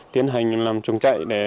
tiến hành làm chuồng chạy để